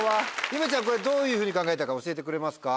ゆめちゃんこれどういうふうに考えたか教えてくれますか？